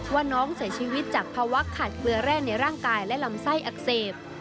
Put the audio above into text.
ว่าน้องเสียชีวิตจากภาวะขาดเกลือแร่ในร่างกายและลำไส้อักเสบ